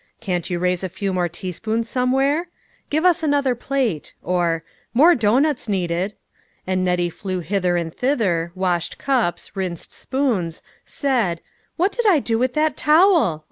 " Can't you raise a few more teaspoons some where ?"" Give us another plate," or, " More doughnuts needed ;" and Nettie flew hither and thither, washed cups, rinsed spoons, said, " What did I do with that towel?"